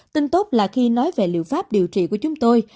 tin tốt là khi nói về liệu pháp điều trị của chúng tôi